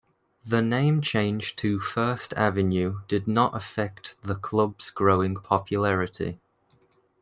The name change to First Avenue did not affect the club's growing popularity.